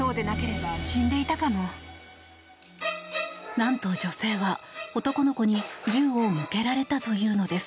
なんと女性は男の子に銃を向けられたというのです。